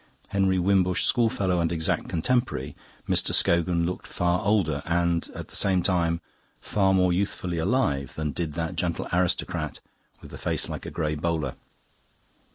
Henry Wimbush's school fellow and exact contemporary, Mr. Scogan looked far older and, at the same time, far more youthfully alive than did that gentle aristocrat with the face like a grey bowler.